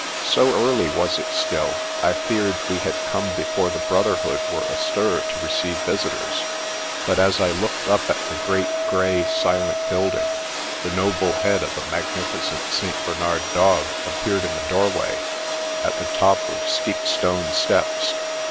So early was it still, I feared we had come before the brotherhood were astir to receive visitors; but as I looked up at the great, grey, silent building, the noble head of a magnificent St. Bernard dog ap peared in the doorway, at the top of steep stone steps.